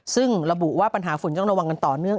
ซึ่งระบุว่าปัญหาฝุ่นต้องระวังกันต่อเนื่อง